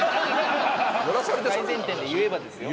改善点で言えばですよ。